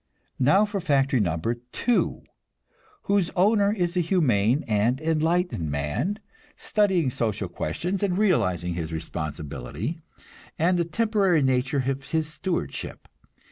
Now for factory number two, whose owner is a humane and enlightened man, studying social questions and realizing his responsibility, and the temporary nature of his stewardship.